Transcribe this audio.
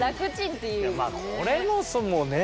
いやまあこれもそのね。